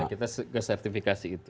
nah kita sudah sertifikasi itu